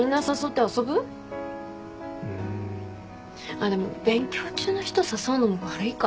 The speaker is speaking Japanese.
あっでも勉強中の人誘うのも悪いか。